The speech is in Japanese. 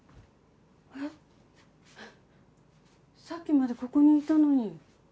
さっきまでここにいたのに。